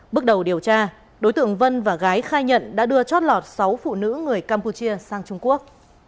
bước đầu điều tra đối tượng vân và gái khai nhận đã đưa chót lọt sáu phụ nữ người campuchia sang trung quốc